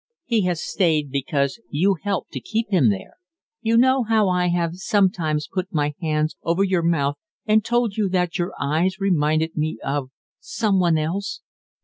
"He has stayed because you helped to keep him there. You know how I have sometimes put my hands over your mouth and told you that your eyes reminded me of some one else?